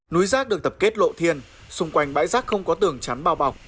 núi rác được tập kết lộ thiên xung quanh bãi rác không có tường chắn bao bọc